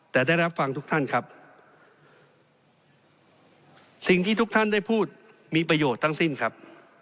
แต่ได้รับฟังทุกท่านครับสิ่งที่ทุกท่านได้พูดมีประโยชน์ทั้งสิ้นครับ